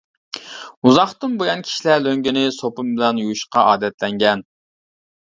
ئۇزاقتىن بۇيان كىشىلەر لۆڭگىنى سوپۇن بىلەن يۇيۇشقا ئادەتلەنگەن.